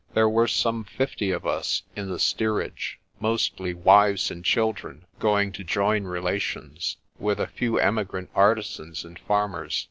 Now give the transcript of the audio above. There were some fifty of us in the steerage, mostly wives and children going to join relations, with a few emigrant artisans and farmers.